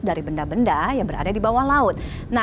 dari benda benda yang berada di bawah laut